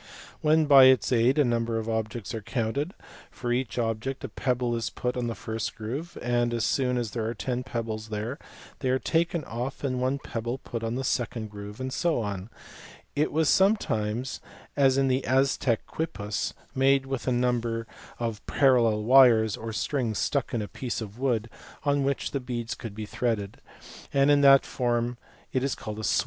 When * by its aid a^ number of objects are counted, for each object a pebble is put on the first groove; and, as soon as there are ten pebbles there, they are taken off and one pebble put on the second groove ; and so on. It was sometimes, as in the Aztec quipus, made with a number 126 SYSTEMS OF NUMERATION Fig. i. Q Fig. iii. munm i AND PRIMITIVE ARITHMETIC. 127 of parallel wires or strings stuck in a piece of wood on which beads could be threaded; and in that form is called a swan pan.